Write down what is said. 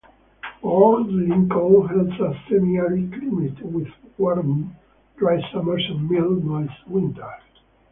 Port Lincoln has a semi-arid climate with warm, dry summers and mild, moist winters.